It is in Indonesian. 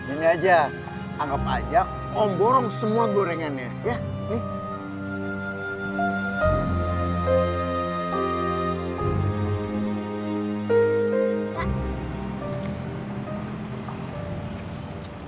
ini aja anggap aja om borong semua gorengannya ya nih